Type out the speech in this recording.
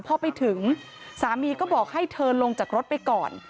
พอไปถึงสามีก็บอกให้เธอลงจากรถไปก่อน